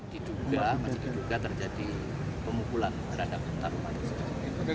diduga terjadi pemukulan terhadap taruna